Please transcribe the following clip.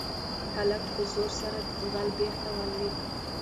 هلک په زور سره د دېوال بېخ ته ولوېد.